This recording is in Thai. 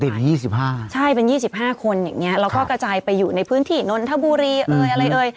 ติด๒๕คนค่ะใช่เป็น๒๕คนอย่างนี้แล้วก็กระจายไปอยู่ในพื้นที่นนทบุรีอะไร